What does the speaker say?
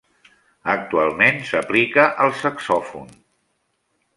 Actualment s'aplica al saxòfon.